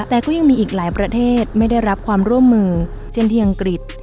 แต่ก็ยังมีอีกหลายประเทศไม่ได้รับความร่วมมือเช่นที่อังกฤษ